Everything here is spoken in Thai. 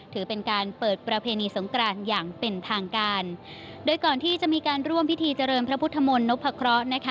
ถือเป็นการเปิดประเพณีสงกรานอย่างเป็นทางการโดยก่อนที่จะมีการร่วมพิธีเจริญพระพุทธมนต์นพะเคราะห์นะคะ